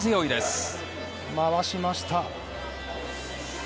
回しましたね。